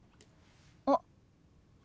あっ。